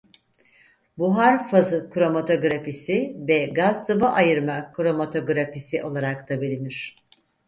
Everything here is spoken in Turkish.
Buhar-fazı kromatografisi ve gaz-sıvı ayırma kromatografisi olarak da bilinir.